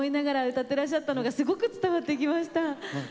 歌ってらっしゃったのがすごく伝わってきました。